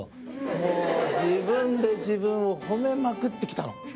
もう自分で自分をほめまくってきたの。